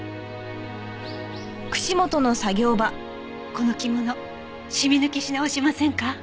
この着物シミ抜きし直しませんか？